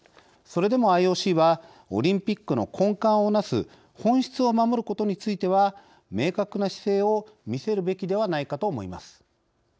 それでもＩＯＣはオリンピックの根幹を成す本質を守ることについては明確な姿勢を見せるべきではないかと思います。